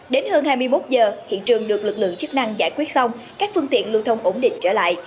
đến hơn hai mươi một giờ hiện trường được lực lượng chức năng giải quyết xong các phương tiện lưu thông ổn định trở lại